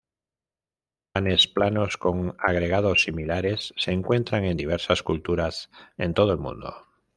Panes planos con agregados similares se encuentran en diversas culturas en todo el mundo.